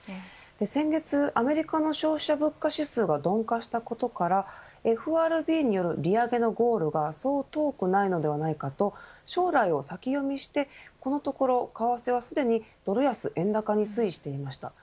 先月アメリカの消費者物価指数が鈍化したことからＦＲＢによる利上げのゴールがそう遠くないのではないかと将来を先読みしてこのところ為替はすでにドル安、円高に推移していました。